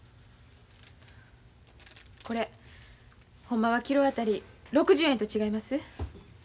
これほんまはキロ当たり６０円と違います？